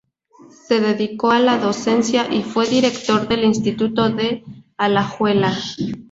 Se dedicó a la docencia y fue director del Instituto de Alajuela.